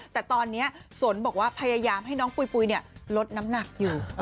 แต่ตอนนี้สนบอกว่าพยายามให้น้องปุ๋ยลดน้ำหนักอยู่